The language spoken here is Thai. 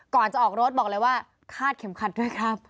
ก่อนจะออกรถบอกเลยว่าคาดเข็มขัดด้วยครับ